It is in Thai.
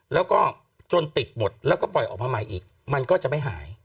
แล้วก็จนติดหมดแล้วก็ปล่อยออกมาใหม่อีกมันก็จะไม่หาย